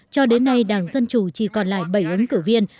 cho đến nay đảng dân chủ chỉ còn lại bảy ứng cử viên